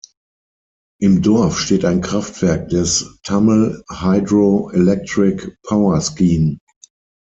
Im Dorf steht ein Kraftwerk des Tummel Hydro-Electric Power Scheme.